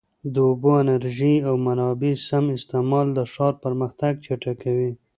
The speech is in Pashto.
د اوبو، انرژۍ او منابعو سم استعمال د ښار پرمختګ چټکوي.